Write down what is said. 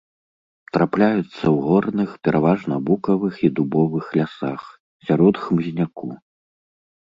Трапляюцца ў горных, пераважна букавых і дубовых лясах, сярод хмызняку.